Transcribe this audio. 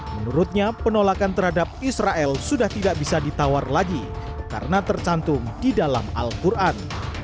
menurutnya penolakan terhadap israel sudah tidak bisa ditawar lagi karena tercantum di dalam al quran